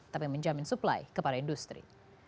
tapi menjamin suplai kepada industri